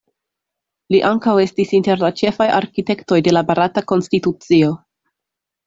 Li ankaŭ estis inter la ĉefaj arkitektoj de la Barata konstitucio.